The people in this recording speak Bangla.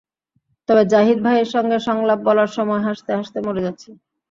তবে জাহিদ ভাইয়ের সঙ্গে সংলাপ বলার সময় হাসতে হাসতে মরে যাচ্ছি।